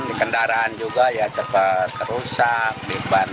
di kendaraan juga ya cepat rusak